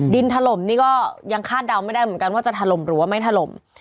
ถล่มนี่ก็ยังคาดเดาไม่ได้เหมือนกันว่าจะถล่มหรือว่าไม่ถล่ม